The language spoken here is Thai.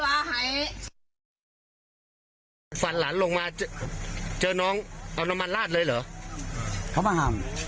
บางคนบอกว่าส่วนของชีวาหาย